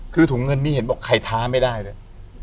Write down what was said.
คือถุงเงินนี้เห็นบอกใครท้าไม่ได้เลย